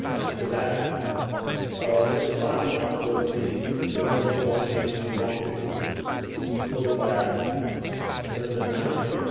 'And after that?' 'Oh! there's time enough. We'll see. There's only one thing she won't do.' 'What is that?' 'Turn them out again.'